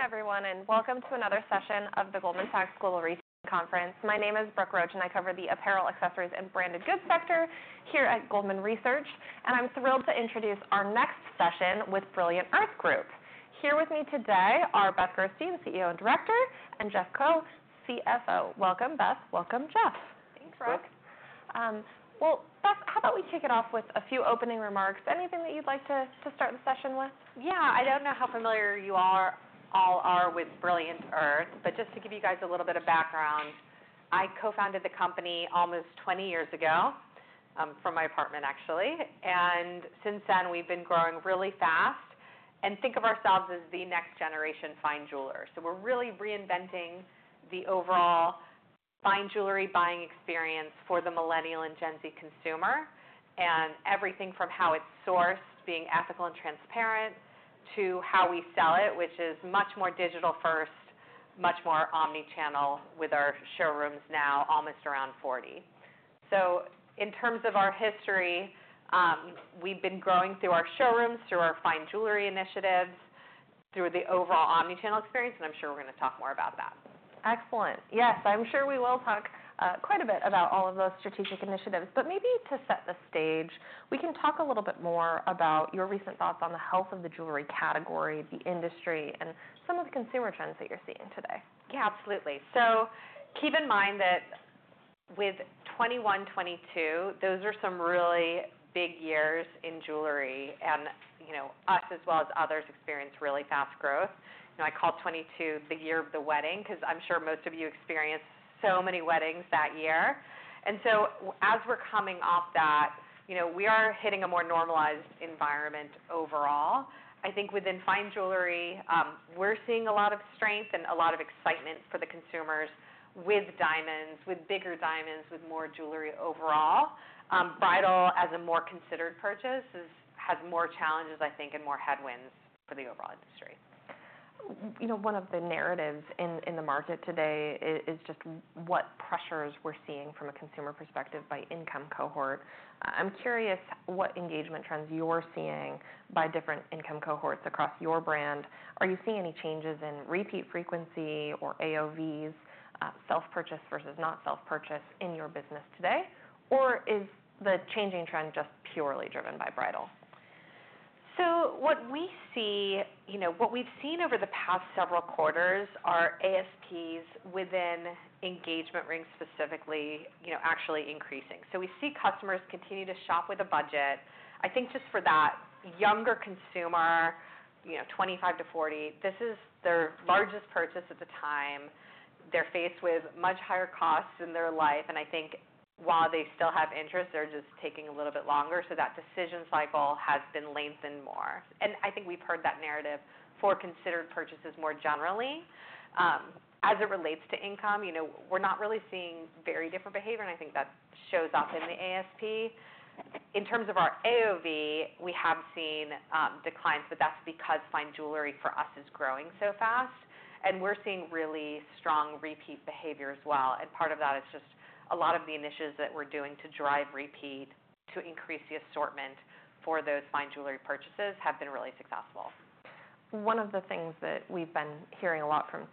Good afternoon, everyone, and welcome to another session of the Goldman Sachs Global Retail Conference. My name is Brooke Roach, and I cover the apparel, accessories, and branded goods sector here at Goldman Research, and I'm thrilled to introduce our next session with Brilliant Earth Group. Here with me today are Beth Gerstein, CEO and Director, and Jeff Kuo, CFO. Welcome, Beth. Welcome, Jeff. Thanks, Brooke. Well, Beth, how about we kick it off with a few opening remarks? Anything that you'd like to start the session with? Yeah. I don't know how familiar you all are with Brilliant Earth, but just to give you guys a little bit of background, I co-founded the company almost twenty years ago, from my apartment, actually, and since then, we've been growing really fast and think of ourselves as the next generation fine jeweler. So we're really reinventing the overall fine jewelry buying experience for the Millennial and Gen Z consumer, and everything from how it's sourced, being ethical and transparent, to how we sell it, which is much more digital first, much more omni-channel, with our showrooms now almost around forty. So in terms of our history, we've been growing through our showrooms, through our fine jewelry initiatives, through the overall omni-channel experience, and I'm sure we're gonna talk more about that. Excellent. Yes, I'm sure we will talk quite a bit about all of those strategic initiatives, but maybe to set the stage, we can talk a little bit more about your recent thoughts on the health of the jewelry category, the industry, and some of the consumer trends that you're seeing today. Yeah, absolutely. So keep in mind that with 2021, 2022, those are some really big years in jewelry, and, you know, us, as well as others, experienced really fast growth. You know, I call 2022 the year of the wedding, 'cause I'm sure most of you experienced so many weddings that year. And so as we're coming off that, you know, we are hitting a more normalized environment overall. I think within fine jewelry, we're seeing a lot of strength and a lot of excitement for the consumers with diamonds, with bigger diamonds, with more jewelry overall. Bridal, as a more considered purchase, has more challenges, I think, and more headwinds for the overall industry. You know, one of the narratives in the market today is just what pressures we're seeing from a consumer perspective by income cohort. I'm curious what engagement trends you're seeing by different income cohorts across your brand. Are you seeing any changes in repeat frequency or AOVs, self-purchase versus not self-purchase in your business today, or is the changing trend just purely driven by bridal? So what we see, you know, what we've seen over the past several quarters are ASPs within engagement rings, specifically, you know, actually increasing. So we see customers continue to shop with a budget. I think just for that younger consumer, you know, 25-40, this is their largest purchase at the time. They're faced with much higher costs in their life, and I think while they still have interest, they're just taking a little bit longer, so that decision cycle has been lengthened more. And I think we've heard that narrative for considered purchases more generally. As it relates to income, you know, we're not really seeing very different behavior, and I think that shows up in the ASP. In terms of our AOV, we have seen declines, but that's because fine jewelry for us is growing so fast, and we're seeing really strong repeat behavior as well, and part of that is just a lot of the initiatives that we're doing to drive repeat, to increase the assortment for those fine jewelry purchases have been really successful. One of the things that we've been hearing a lot from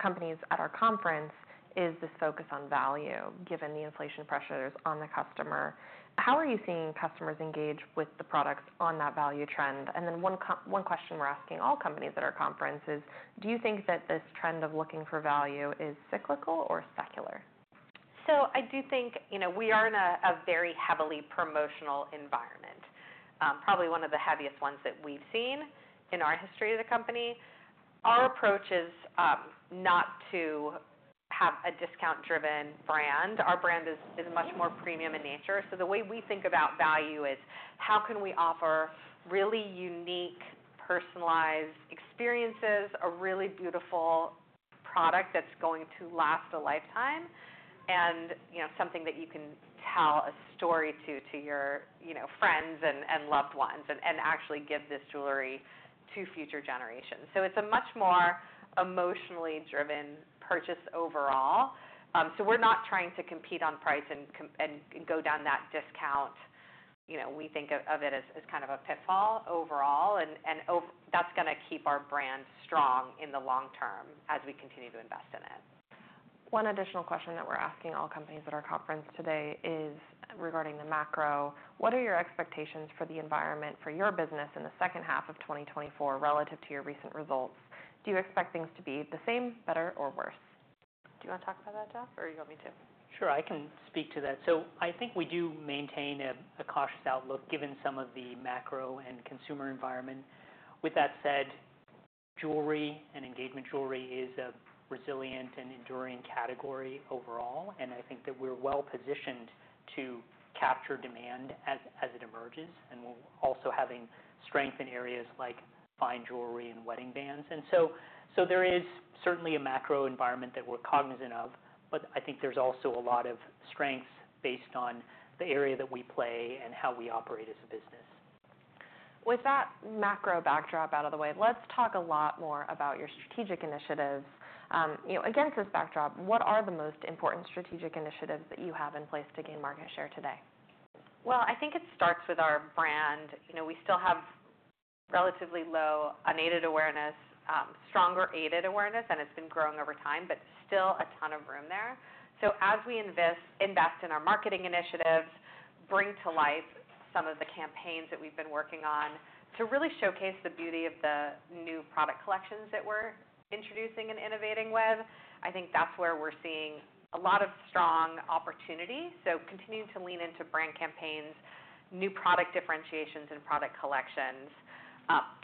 companies at our conference is this focus on value, given the inflation pressures on the customer. How are you seeing customers engage with the products on that value trend? And then one question we're asking all companies at our conference is: Do you think that this trend of looking for value is cyclical or secular? So I do think, you know, we are in a very heavily promotional environment, probably one of the heaviest ones that we've seen in our history of the company. Our approach is not to have a discount-driven brand. Our brand is much more premium in nature. So the way we think about value is: How can we offer really unique, personalized experiences, a really beautiful product that's going to last a lifetime, and, you know, something that you can tell a story to your, you know, friends and loved ones, and actually give this jewelry to future generations? So it's a much more emotionally driven purchase overall. So we're not trying to compete on price and go down that discount. You know, we think of it as kind of a pitfall overall, and that's gonna keep our brand strong in the long term as we continue to invest in it. One additional question that we're asking all companies at our conference today is regarding the macro. What are your expectations for the environment for your business in the second half of twenty twenty-four relative to your recent results? Do you expect things to be the same, better, or worse? Do you wanna talk about that, Jeff, or you want me to? Sure, I can speak to that. So I think we do maintain a cautious outlook, given some of the macro and consumer environment. With that said, jewelry and engagement jewelry is a resilient and enduring category overall, and I think that we're well positioned to capture demand as it emerges, and we're also having strength in areas like fine jewelry and wedding bands. And so there is certainly a macro environment that we're cognizant of, but I think there's also a lot of strengths based on the area that we play and how we operate as a business. With that macro backdrop out of the way, let's talk a lot more about your strategic initiatives. You know, against this backdrop, what are the most important strategic initiatives that you have in place to gain market share today?... I think it starts with our brand. You know, we still have relatively low unaided awareness, stronger aided awareness, and it's been growing over time, but still a ton of room there. As we invest in our marketing initiatives, bring to life some of the campaigns that we've been working on to really showcase the beauty of the new product collections that we're introducing and innovating with, I think that's where we're seeing a lot of strong opportunity. Continuing to lean into brand campaigns, new product differentiations, and product collections,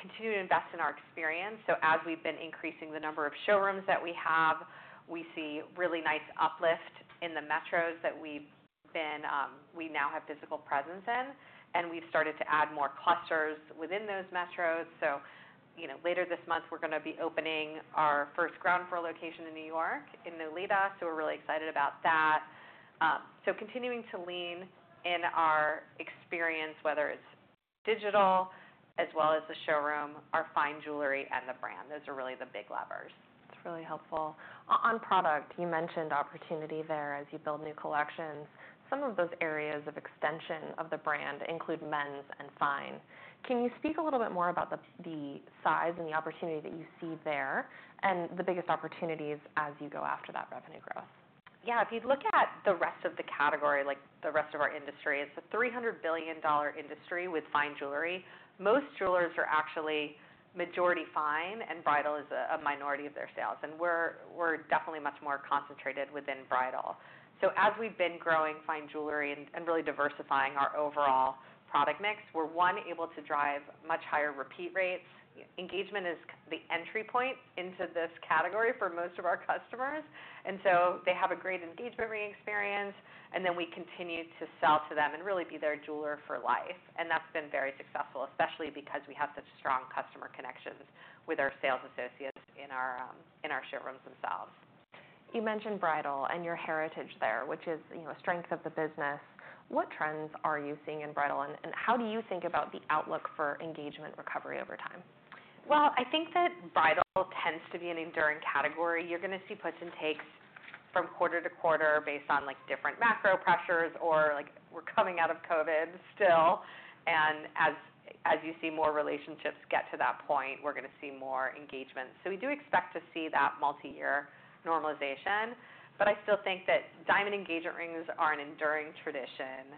continue to invest in our experience. As we've been increasing the number of showrooms that we have, we see really nice uplift in the metros we now have physical presence in, and we've started to add more clusters within those metros. So, you know, later this month, we're gonna be opening our first ground floor location in New York, in Nolita, so we're really excited about that, so continuing to lean in our experience, whether it's digital as well as the showroom, our fine jewelry, and the brand. Those are really the big levers. That's really helpful. On product, you mentioned opportunity there as you build new collections. Some of those areas of extension of the brand include men's and fine. Can you speak a little bit more about the size and the opportunity that you see there, and the biggest opportunities as you go after that revenue growth? Yeah. If you look at the rest of the category, like, the rest of our industry, it's a $300 billion industry with fine jewelry. Most jewelers are actually majority fine, and bridal is a minority of their sales, and we're definitely much more concentrated within bridal. So as we've been growing fine jewelry and really diversifying our overall product mix, we're able to drive much higher repeat rates. Engagement is the entry point into this category for most of our customers, and so they have a great engagement ring experience, and then we continue to sell to them and really be their jeweler for life. And that's been very successful, especially because we have such strong customer connections with our sales associates in our showrooms themselves. You mentioned bridal and your heritage there, which is, you know, a strength of the business. What trends are you seeing in bridal, and how do you think about the outlook for engagement recovery over time? Well, I think that bridal tends to be an enduring category. You're gonna see puts and takes from quarter to quarter based on, like, different macro pressures or, like, we're coming out of COVID still, and as you see more relationships get to that point, we're gonna see more engagement. So we do expect to see that multiyear normalization, but I still think that diamond engagement rings are an enduring tradition.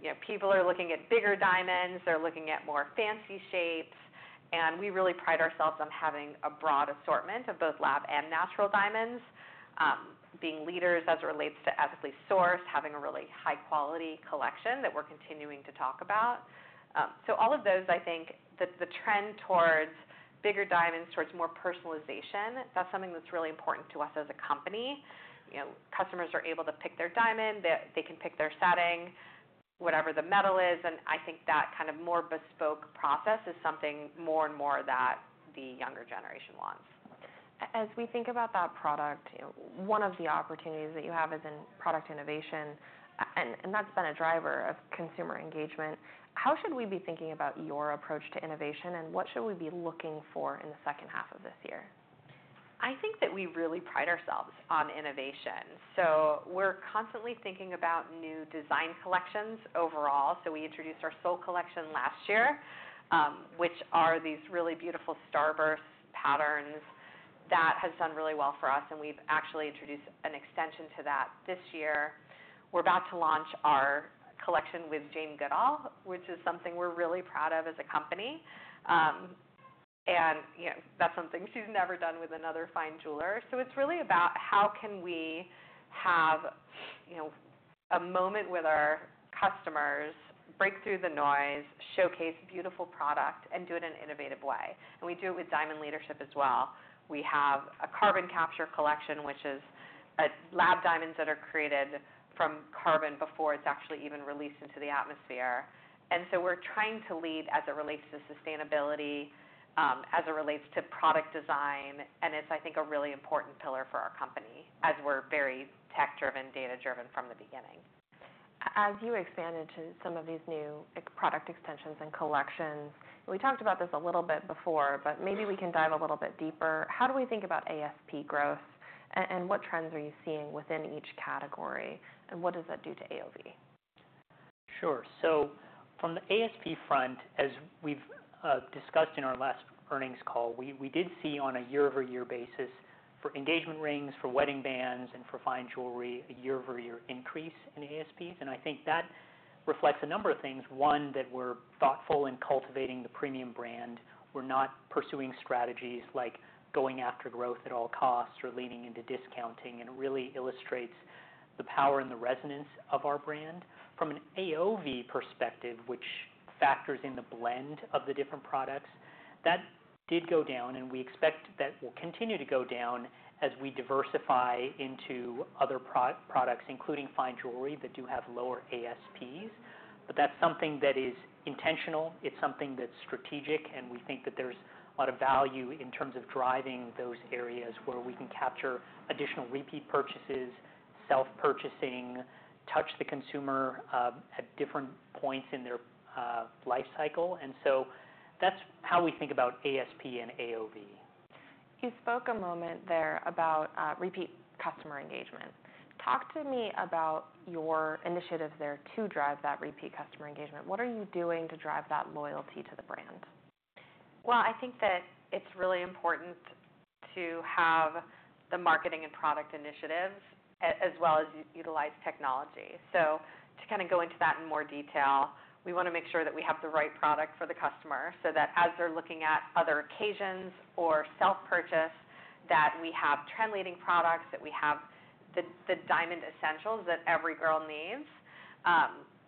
You know, people are looking at bigger diamonds, they're looking at more fancy shapes, and we really pride ourselves on having a broad assortment of both lab and natural diamonds, being leaders as it relates to ethically sourced, having a really high-quality collection that we're continuing to talk about. So all of those, I think, the trend towards bigger diamonds, towards more personalization, that's something that's really important to us as a company. You know, customers are able to pick their diamond, they can pick their setting, whatever the metal is, and I think that kind of more bespoke process is something more and more that the younger generation wants. As we think about that product, one of the opportunities that you have is in product innovation, and that's been a driver of consumer engagement. How should we be thinking about your approach to innovation, and what should we be looking for in the second half of this year? I think that we really pride ourselves on innovation, so we're constantly thinking about new design collections overall, so we introduced our Sol Collection last year, which are these really beautiful starburst patterns. That has done really well for us, and we've actually introduced an extension to that this year. We're about to launch our collection with Jane Goodall, which is something we're really proud of as a company, and you know, that's something she's never done with another fine jeweler, so it's really about how can we have, you know, a moment with our customers, break through the noise, showcase beautiful product, and do it in an innovative way, and we do it with diamond leadership as well. We have a Carbon Capture Collection, which is, lab diamonds that are created from carbon before it's actually even released into the atmosphere. And so we're trying to lead as it relates to sustainability, as it relates to product design, and it's, I think, a really important pillar for our company, as we're very tech-driven, data-driven from the beginning. As you expand into some of these new product extensions and collections, we talked about this a little bit before, but maybe we can dive a little bit deeper. How do we think about ASP growth, and what trends are you seeing within each category, and what does that do to AOV? Sure. So from the ASP front, as we've discussed in our last earnings call, we did see, on a year-over-year basis, for engagement rings, for wedding bands, and for fine jewelry, a year-over-year increase in ASPs, and I think that reflects a number of things. One, that we're thoughtful in cultivating the premium brand. We're not pursuing strategies like going after growth at all costs or leaning into discounting, and it really illustrates the power and the resonance of our brand. From an AOV perspective, which factors in the blend of the different products, that did go down, and we expect that will continue to go down as we diversify into other products, including fine jewelry, that do have lower ASPs. But that's something that is intentional. It's something that's strategic, and we think that there's a lot of value in terms of driving those areas where we can capture additional repeat purchases, self-purchasing, touch the consumer at different points in their life cycle. And so that's how we think about ASP and AOV.... You spoke a moment there about repeat customer engagement. Talk to me about your initiatives there to drive that repeat customer engagement. What are you doing to drive that loyalty to the brand? I think that it's really important to have the marketing and product initiatives, as well as utilize technology, so to kind of go into that in more detail, we wanna make sure that we have the right product for the customer, so that as they're looking at other occasions or self-purchase, that we have trend-leading products, that we have the Diamond Essentials that every girl needs,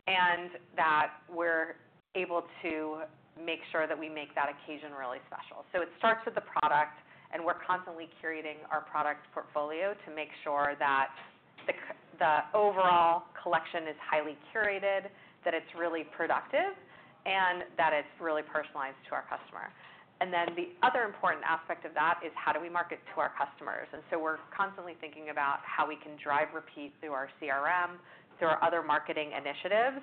and that we're able to make sure that we make that occasion really special, so it starts with the product, and we're constantly curating our product portfolio to make sure that the overall collection is highly curated, that it's really productive, and that it's really personalized to our customer, and then the other important aspect of that is: How do we market to our customers? And so we're constantly thinking about how we can drive repeat through our CRM, through our other marketing initiatives,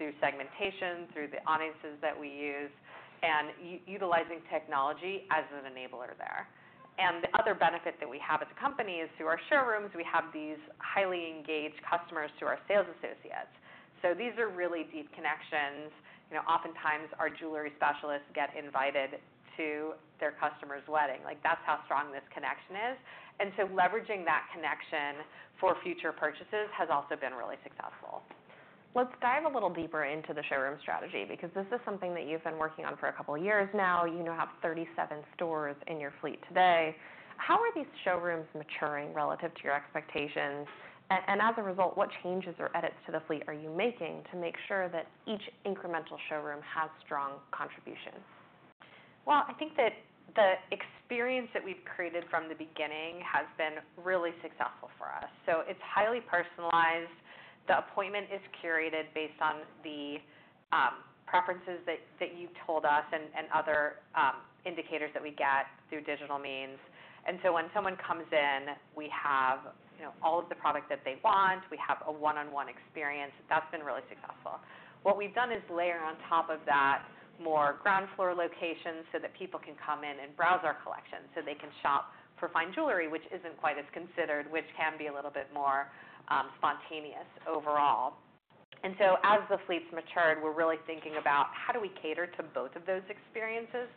through segmentation, through the audiences that we use, and utilizing technology as an enabler there. And the other benefit that we have as a company is, through our showrooms, we have these highly engaged customers who are sales associates. So these are really deep connections. You know, oftentimes, our jewelry specialists get invited to their customer's wedding. Like, that's how strong this connection is. And so leveraging that connection for future purchases has also been really successful. Let's dive a little deeper into the showroom strategy, because this is something that you've been working on for a couple of years now. You now have 37 stores in your fleet today. How are these showrooms maturing relative to your expectations? And as a result, what changes or edits to the fleet are you making to make sure that each incremental showroom has strong contribution? I think that the experience that we've created from the beginning has been really successful for us. It's highly personalized. The appointment is curated based on the preferences that you've told us and other indicators that we get through digital means. When someone comes in, we have, you know, all of the product that they want. We have a one-on-one experience. That's been really successful. What we've done is layer on top of that, more ground-floor locations, so that people can come in and browse our collection, so they can shop for fine jewelry, which isn't quite as considered, which can be a little bit more spontaneous overall. And so, as the fleet's matured, we're really thinking about: How do we cater to both of those experiences,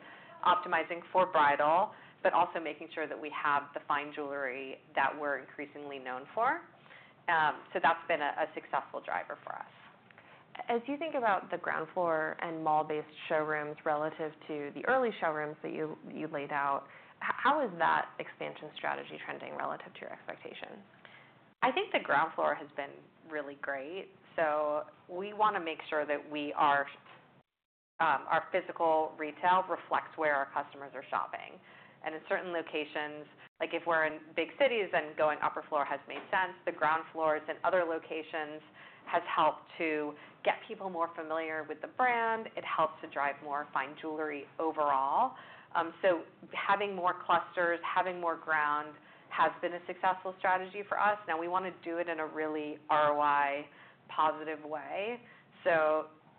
optimizing for bridal, but also making sure that we have the fine jewelry that we're increasingly known for? So that's been a successful driver for us. As you think about the ground floor and mall-based showrooms relative to the early showrooms that you laid out, how is that expansion strategy trending relative to your expectations? I think the ground floor has been really great. We want to make sure that we are, our physical retail reflects where our customers are shopping. In certain locations, like if we're in big cities, then going upper floor has made sense. The ground floors in other locations has helped to get people more familiar with the brand. It helps to drive more fine jewelry overall. So having more clusters, having more ground, has been a successful strategy for us. Now, we want to do it in a really ROI-positive way.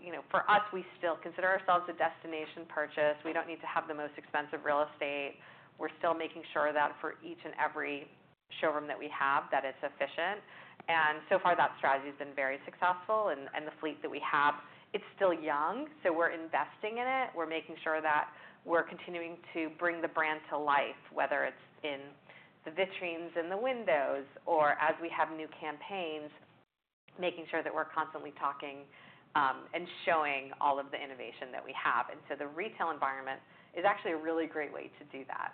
You know, for us, we still consider ourselves a destination purchase. We don't need to have the most expensive real estate. We're still making sure that for each and every showroom that we have, that it's efficient. And so far, that strategy has been very successful. The fleet that we have is still young, so we're investing in it. We're making sure that we're continuing to bring the brand to life, whether it's in the vitrines, in the windows, or as we have new campaigns, making sure that we're constantly talking and showing all of the innovation that we have. The retail environment is actually a really great way to do that.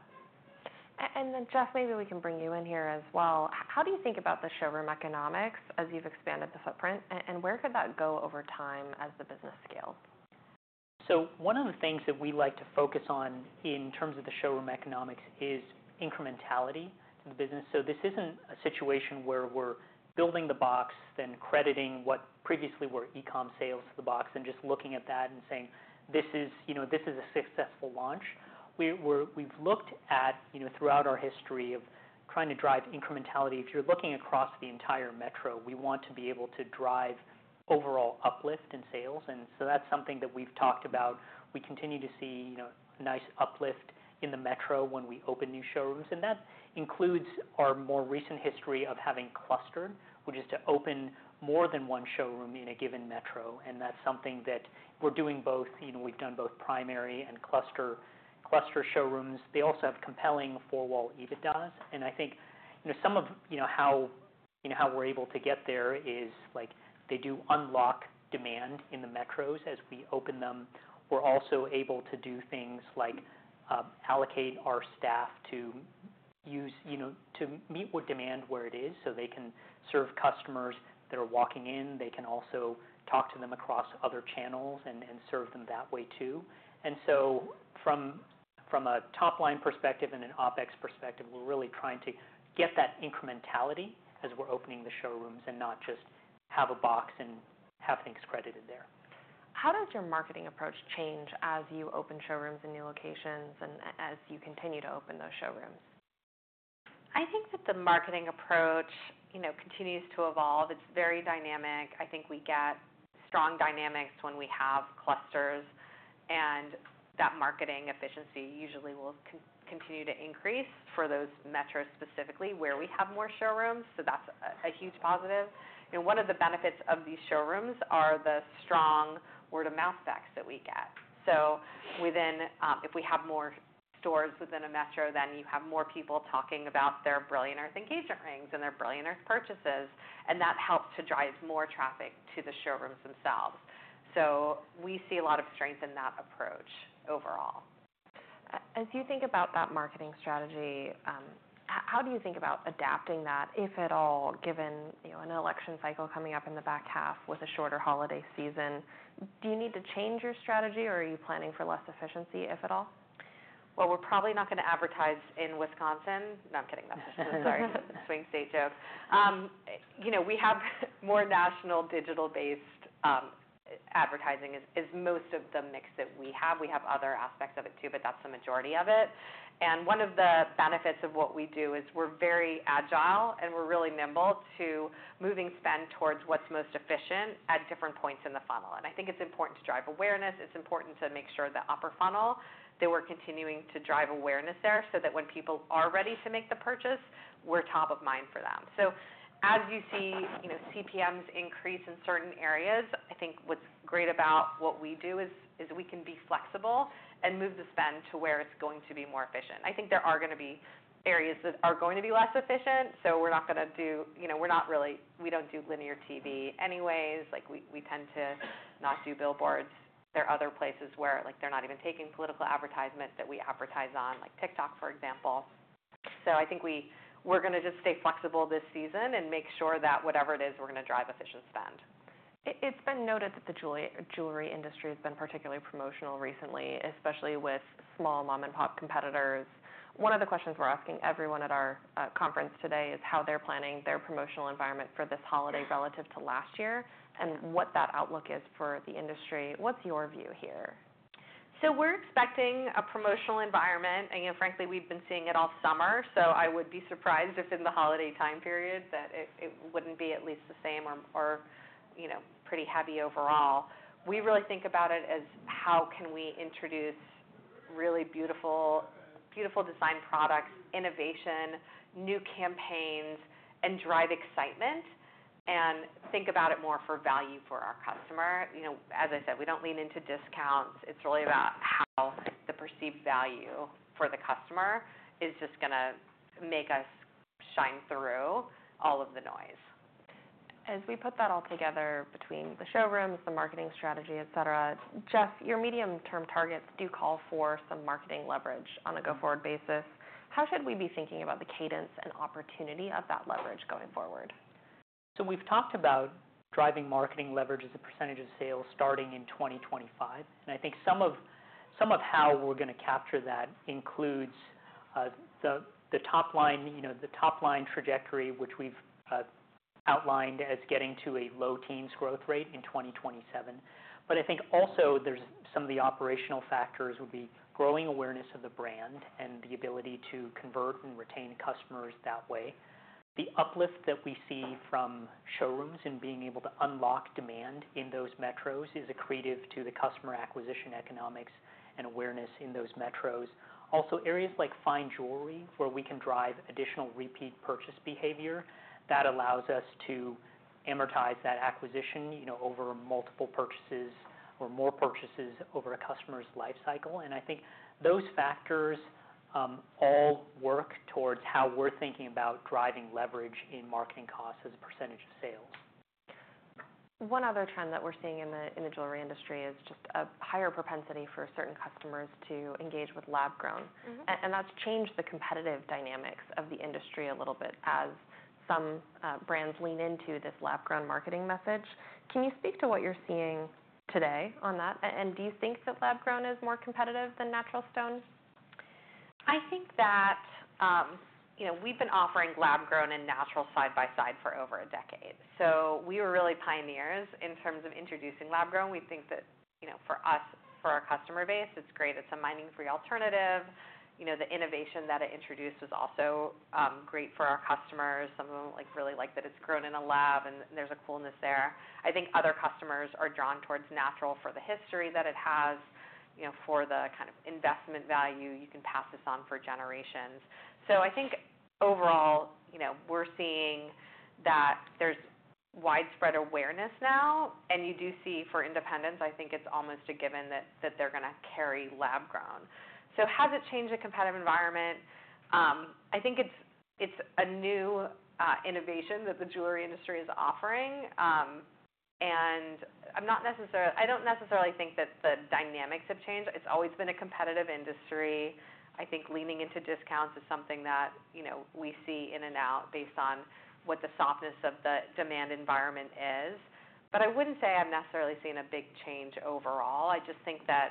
And then, Jeff, maybe we can bring you in here as well. How do you think about the showroom economics as you've expanded the footprint, and where could that go over time as the business scales? So one of the things that we like to focus on in terms of the showroom economics is incrementality in the business. So this isn't a situation where we're building the box, then crediting what previously were e-com sales to the box, and just looking at that and saying, "This is," you know, "this is a successful launch." We've looked at, you know, throughout our history of trying to drive incrementality, if you're looking across the entire metro, we want to be able to drive overall uplift in sales, and so that's something that we've talked about. We continue to see, you know, nice uplift in the metro when we open new showrooms, and that includes our more recent history of having clustered, which is to open more than one showroom in a given metro, and that's something that we're doing both. You know, we've done both primary and cluster showrooms. They also have compelling four-wall EBITDA. And I think, you know, some of you know how we're able to get there is, like, they do unlock demand in the metros as we open them. We're also able to do things like allocate our staff to meet with demand where it is, so they can serve customers that are walking in. They can also talk to them across other channels and serve them that way, too. And so from a top-line perspective and an OpEx perspective, we're really trying to get that incrementality as we're opening the showrooms and not just have a box and have things credited there. How does your marketing approach change as you open showrooms in new locations and as you continue to open those showrooms?... I think that the marketing approach, you know, continues to evolve. It's very dynamic. I think we get strong dynamics when we have clusters, and that marketing efficiency usually will continue to increase for those metros, specifically where we have more showrooms, so that's a huge positive, and one of the benefits of these showrooms are the strong word-of-mouth effects that we get, so within if we have more stores within a metro, then you have more people talking about their Brilliant Earth engagement rings and their Brilliant Earth purchases, and that helps to drive more traffic to the showrooms themselves, so we see a lot of strength in that approach overall. As you think about that marketing strategy, how do you think about adapting that, if at all, given, you know, an election cycle coming up in the back half with a shorter holiday season? Do you need to change your strategy, or are you planning for less efficiency, if at all? Well, we're probably not gonna advertise in Wisconsin. No, I'm kidding. Sorry, swing state joke. You know, we have more national digital-based advertising is most of the mix that we have. We have other aspects of it, too, but that's the majority of it. And one of the benefits of what we do is we're very agile, and we're really nimble to moving spend towards what's most efficient at different points in the funnel, and I think it's important to drive awareness. It's important to make sure the upper funnel, that we're continuing to drive awareness there, so that when people are ready to make the purchase, we're top of mind for them. So as you see, you know, CPMs increase in certain areas. I think what's great about what we do is we can be flexible and move the spend to where it's going to be more efficient. I think there are gonna be areas that are going to be less efficient, so we're not gonna do. You know, we're not really. We don't do linear TV anyways. Like, we tend to not do billboards. There are other places where, like, they're not even taking political advertisements that we advertise on, like TikTok, for example. So I think we're gonna just stay flexible this season and make sure that whatever it is, we're gonna drive efficient spend. It's been noted that the jewelry industry has been particularly promotional recently, especially with small mom-and-pop competitors. One of the questions we're asking everyone at our conference today is how they're planning their promotional environment for this holiday relative to last year, and what that outlook is for the industry. What's your view here? So we're expecting a promotional environment, and, you know, frankly, we've been seeing it all summer, so I would be surprised if in the holiday time period that it wouldn't be at least the same or, you know, pretty heavy overall. We really think about it as, how can we introduce really beautiful, beautiful design products, innovation, new campaigns, and drive excitement, and think about it more for value for our customer? You know, as I said, we don't lean into discounts. It's really about how the perceived value for the customer is just gonna make us shine through all of the noise. As we put that all together, between the showrooms, the marketing strategy, et cetera, Jeff, your medium-term targets do call for some marketing leverage on a go-forward basis. How should we be thinking about the cadence and opportunity of that leverage going forward? So we've talked about driving marketing leverage as a percentage of sales starting in 2025, and I think some of how we're gonna capture that includes the top line, you know, the top line trajectory, which we've outlined as getting to a low teens growth rate in 2027. But I think also, there's some of the operational factors would be growing awareness of the brand and the ability to convert and retain customers that way. The uplift that we see from showrooms and being able to unlock demand in those metros is accretive to the customer acquisition economics, and awareness in those metros. Also, areas like fine jewelry, where we can drive additional repeat purchase behavior, that allows us to amortize that acquisition, you know, over multiple purchases or more purchases over a customer's life cycle. I think those factors all work towards how we're thinking about driving leverage in marketing costs as a percentage of sales. One other trend that we're seeing in the jewelry industry is just a higher propensity for certain customers to engage with lab-grown. Mm-hmm. And that's changed the competitive dynamics of the industry a little bit, as some brands lean into this lab-grown marketing message. Can you speak to what you're seeing today on that, and do you think that lab-grown is more competitive than natural stones? I think that, you know, we've been offering lab-grown and natural side by side for over a decade. So we were really pioneers in terms of introducing lab-grown. We think that, you know, for us, for our customer base, it's great. It's a mining-free alternative. You know, the innovation that it introduced is also great for our customers. Some of them, like, really like that it's grown in a lab, and there's a coolness there. I think other customers are drawn towards natural for the history that it has, you know, for the kind of investment value. You can pass this on for generations. So I think overall, you know, we're seeing that there's widespread awareness now, and you do see for independents, I think it's almost a given that they're gonna carry lab-grown. So has it changed the competitive environment? I think it's a new innovation that the jewelry industry is offering. I don't necessarily think that the dynamics have changed. It's always been a competitive industry. I think leaning into discounts is something that, you know, we see in and out based on what the softness of the demand environment is, but I wouldn't say I've necessarily seen a big change overall. I just think that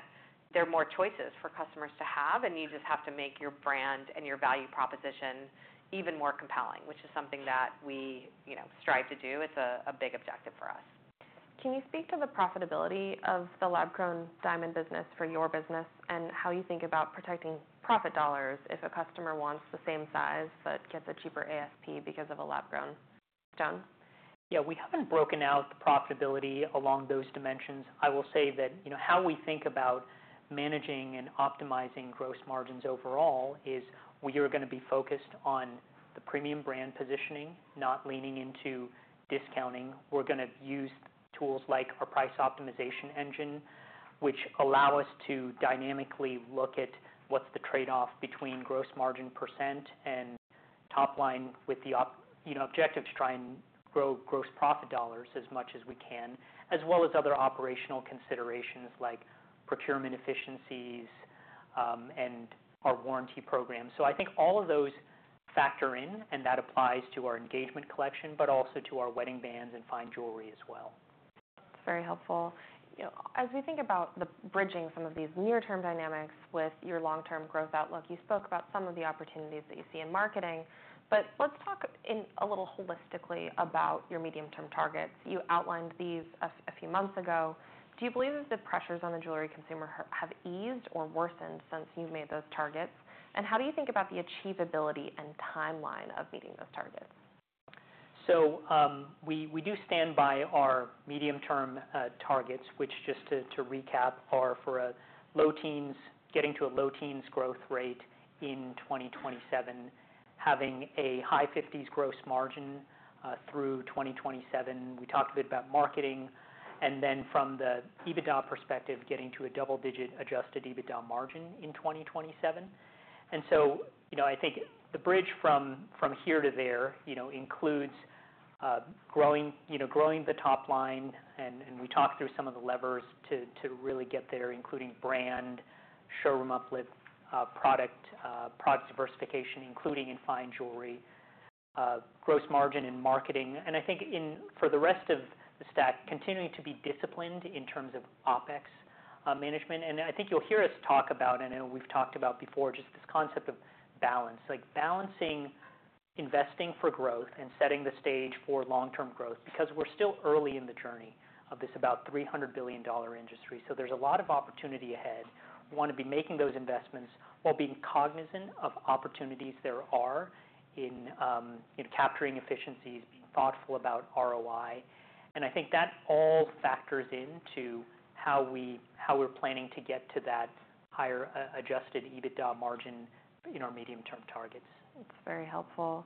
there are more choices for customers to have, and you just have to make your brand and your value proposition even more compelling, which is something that we, you know, strive to do. It's a big objective for us.... Can you speak to the profitability of the lab-grown diamond business for your business, and how you think about protecting profit dollars if a customer wants the same size but gets a cheaper ASP because of a lab-grown stone? Yeah, we haven't broken out the profitability along those dimensions. I will say that, you know, how we think about managing and optimizing gross margins overall is we are gonna be focused on the premium brand positioning, not leaning into discounting. We're gonna use tools like our price optimization engine, which allow us to dynamically look at what's the trade-off between gross margin percent and top line, with the, you know, objective to try and grow gross profit dollars as much as we can, as well as other operational considerations like procurement efficiencies, and our warranty program. So I think all of those factor in, and that applies to our engagement collection, but also to our wedding bands and fine jewelry as well. Very helpful. You know, as we think about the bridging some of these near-term dynamics with your long-term growth outlook, you spoke about some of the opportunities that you see in marketing. But let's talk in a little holistically about your medium-term targets. You outlined these, a few months ago. Do you believe that the pressures on the jewelry consumer have eased or worsened since you've made those targets? And how do you think about the achievability and timeline of meeting those targets? We do stand by our medium-term targets, which just to recap are for a low teens getting to a low teens growth rate in twenty twenty-seven, having a high fifties gross margin through twenty twenty-seven. We talked a bit about marketing, and then from the EBITDA perspective, getting to a double-digit adjusted EBITDA margin in twenty twenty-seven, so you know I think the bridge from here to there you know includes growing you know growing the top line, and we talked through some of the levers to really get there, including brand, showroom uplift, product diversification, including in fine jewelry, gross margin and marketing. I think in for the rest of the stack, continuing to be disciplined in terms of OpEx management. I think you'll hear us talk about, and I know we've talked about before, just this concept of balance. Like, balancing investing for growth and setting the stage for long-term growth, because we're still early in the journey of this about $300 billion industry, so there's a lot of opportunity ahead. We wanna be making those investments while being cognizant of opportunities there are in capturing efficiencies, being thoughtful about ROI. And I think that all factors into how we're planning to get to that higher Adjusted EBITDA margin in our medium-term targets. That's very helpful.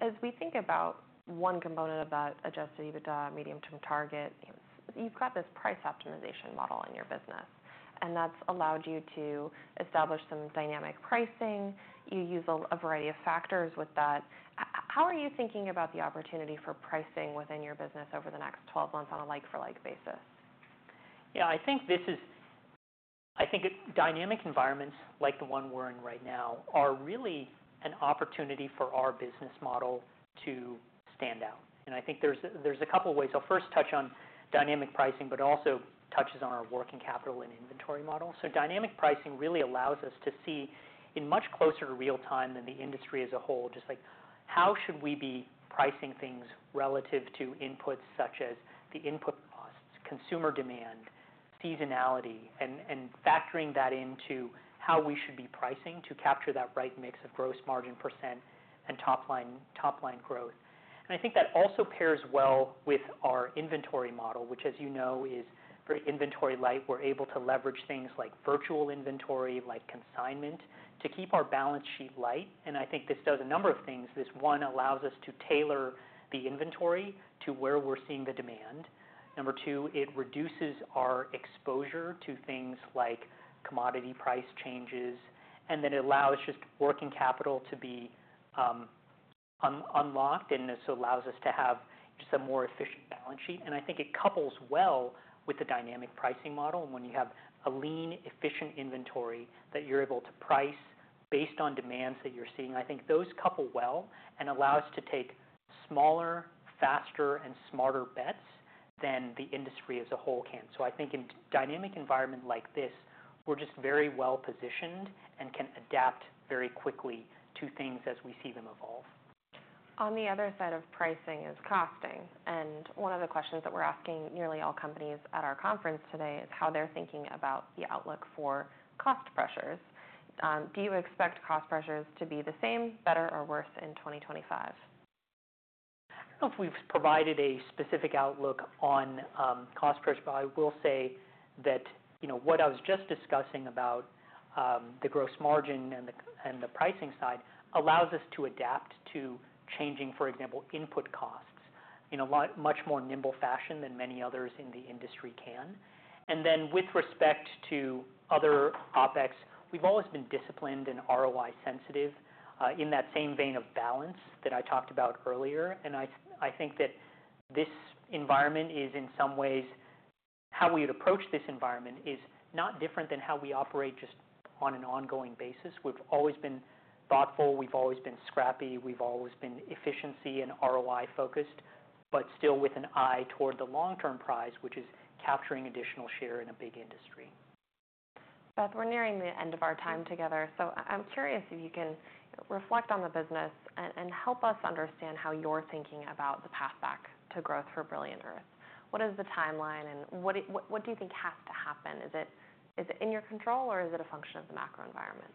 As we think about one component of that Adjusted EBITDA medium-term target, you've got this price optimization model in your business, and that's allowed you to establish some dynamic pricing. You use a variety of factors with that. How are you thinking about the opportunity for pricing within your business over the next twelve months on a like-for-like basis? Yeah, I think dynamic environments, like the one we're in right now, are really an opportunity for our business model to stand out, and I think there's a couple ways. I'll first touch on dynamic pricing, but also touches on our working capital and inventory model. So dynamic pricing really allows us to see, in much closer to real time than the industry as a whole, just like, how should we be pricing things relative to inputs, such as the input costs, consumer demand, seasonality, and factoring that into how we should be pricing to capture that right mix of gross margin percent and top line growth. And I think that also pairs well with our inventory model, which, as you know, is very inventory light. We're able to leverage things like virtual inventory, like consignment, to keep our balance sheet light. I think this does a number of things. This one allows us to tailor the inventory to where we're seeing the demand. Number two, it reduces our exposure to things like commodity price changes, and then it allows just working capital to be unlocked, and this allows us to have just a more efficient balance sheet. I think it couples well with the dynamic pricing model, when you have a lean, efficient inventory that you're able to price based on demands that you're seeing. I think those couple well and allow us to take smaller, faster, and smarter bets than the industry as a whole can. I think in dynamic environment like this, we're just very well positioned and can adapt very quickly to things as we see them evolve. On the other side of pricing is costing, and one of the questions that we're asking nearly all companies at our conference today is how they're thinking about the outlook for cost pressures. Do you expect cost pressures to be the same, better, or worse in 2025? I don't know if we've provided a specific outlook on cost pressure, but I will say that, you know, what I was just discussing about the gross margin and the pricing side allows us to adapt to changing, for example, input costs in a much more nimble fashion than many others in the industry can. And then with respect to other OpEx, we've always been disciplined and ROI sensitive in that same vein of balance that I talked about earlier. And I think that this environment is, in some ways, how we would approach this environment is not different than how we operate just on an ongoing basis. We've always been thoughtful, we've always been scrappy, we've always been efficiency and ROI-focused, but still with an eye toward the long-term prize, which is capturing additional share in a big industry. Beth, we're nearing the end of our time together, so I'm curious if you can reflect on the business and help us understand how you're thinking about the path back to growth for Brilliant Earth. What is the timeline, and what do you think has to happen? Is it in your control, or is it a function of the macro environment?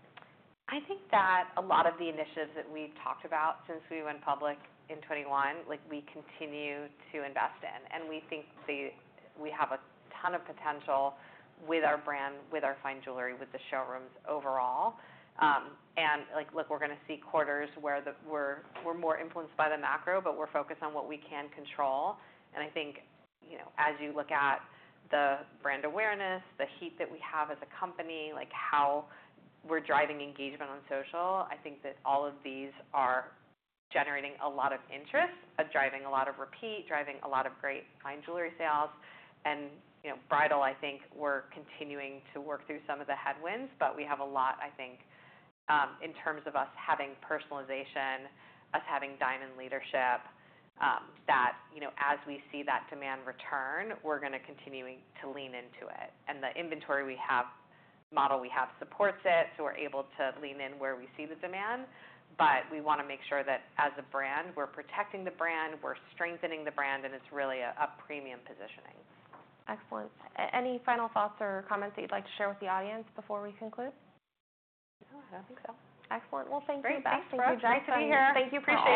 I think that a lot of the initiatives that we've talked about since we went public in 2021, like, we continue to invest in, and we think we have a ton of potential with our brand, with our fine jewelry, with the showrooms overall. And like, look, we're gonna see quarters where we're more influenced by the macro, but we're focused on what we can control. And I think, you know, as you look at the brand awareness, the heat that we have as a company, like how we're driving engagement on social, I think that all of these are generating a lot of interest, are driving a lot of repeat, driving a lot of great fine jewelry sales. And, you know, bridal, I think we're continuing to work through some of the headwinds, but we have a lot, I think, in terms of us having personalization, us having diamond leadership, that, you know, as we see that demand return, we're gonna continuing to lean into it. And the inventory we have, model we have supports it, so we're able to lean in where we see the demand. But we wanna make sure that as a brand, we're protecting the brand, we're strengthening the brand, and it's really a premium positioning. Excellent. Any final thoughts or comments that you'd like to share with the audience before we conclude? No, I don't think so. Excellent. Well, thank you, Beth. Great. Thanks, Brooke. Thank you. Nice to be here. Thank you. Appreciate it.